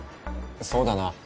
そうだな